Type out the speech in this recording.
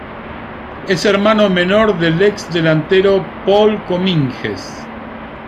Es hermano menor del ex delantero Paul Cominges.